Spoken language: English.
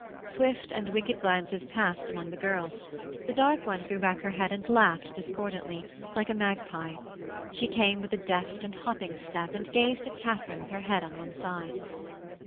Swift and wicked glances passed among the girls; the dark one threw back her head and laughed discordantly, like a magpie. She came with a deft and hopping step and gazed at Katharine with her head on one side.